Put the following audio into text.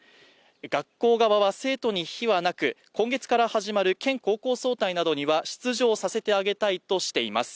学校側は生徒に非はなく、今月から始まる県高校総体などには出場させてあげたいとしています。